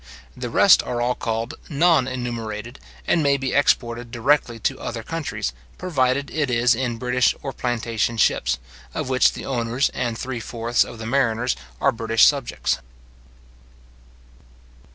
The rest are called non enumerated, and may be exported directly to other countries, provided it is in British or plantation ships, of which the owners and three fourths of the mariners are British subjects.